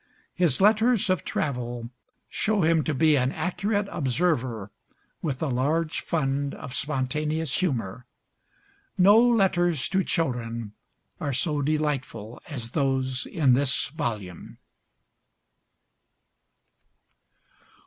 His 'Letters of Travel' show him to be an accurate observer, with a large fund of spontaneous humor. No letters to children are so delightful as those in this volume.